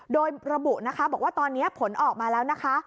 โดยระบุนะคะบอกว่าตอนนี้ผลออกมาแล้วนะคะ